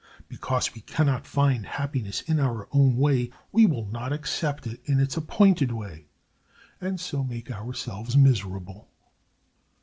Because we can not find happiness in our own way we will not accept it in its appointed way, and so make ourselves miserable.